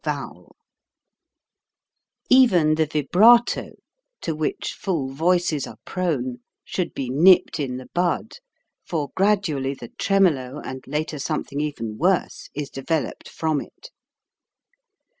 182 HOW TO SING Even the vibrato, to which full voices are prone, should be nipped in the bud, for grad ually the tremolo and later something even worse is developed from it.